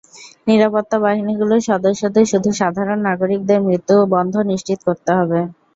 নিরাপত্তা বাহিনীগুলোর সদস্যদের শুধু সাধারণ নাগরিকদের মৃত্যু বন্ধ নিশ্চিত করতে হবে।